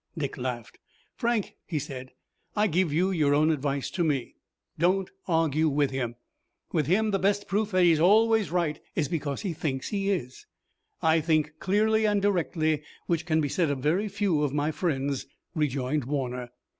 Dick laughed. "Frank," he said, "I give you your own advice to me. Don't argue with him. With him the best proof that he's always right is because he thinks he is." "I think clearly and directly, which can be said of very few of my friends," rejoined Warner.